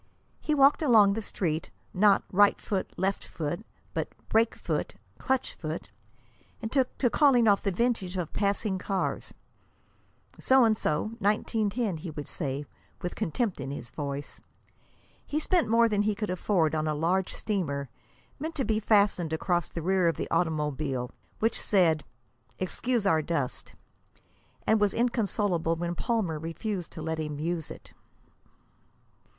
He walked along the Street, not "right foot, left foot," but "brake foot, clutch foot," and took to calling off the vintage of passing cars. "So and So 1910," he would say, with contempt in his voice. He spent more than he could afford on a large streamer, meant to be fastened across the rear of the automobile, which said, "Excuse our dust," and was inconsolable when Palmer refused to let him use it.